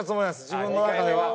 自分の中では。